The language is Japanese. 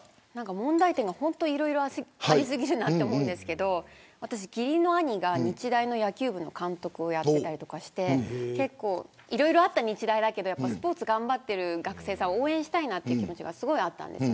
問題点がいろいろあり過ぎるなと思うんですけど私の義理の兄が日大の野球部の監督をやっていたりしていろいろあった日大だけどスポーツを頑張っている学生さんを応援したいなという気持ちがすごいあったんです。